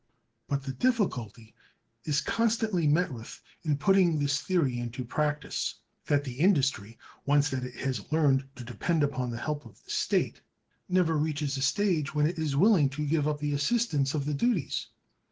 But the difficulty is constantly met with, in putting this theory into practice, that the industry, once that it has learned to depend on the help of the state, never reaches a stage when it is willing to give up the assistance of the duties.